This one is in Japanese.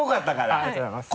ありがとうございます。